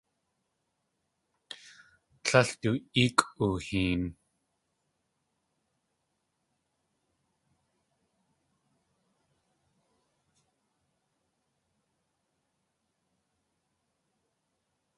Tlél du éekʼ ooheen.